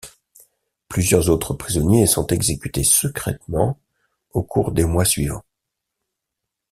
Plusieurs autres prisonniers sont exécutés secrètement au cours des mois suivants.